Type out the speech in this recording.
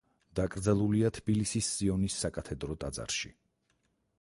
დაკრძალულია თბილისის სიონის საკათედრო ტაძარში.